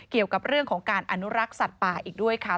เกี่ยวกับเรื่องของการอนุรักษ์สัตว์ป่าอีกด้วยค่ะ